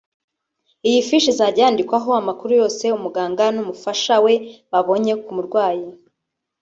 Iyi fishi izajya yandikwaho amakuru yose umuganga n’umufasha we babonye ku murwayi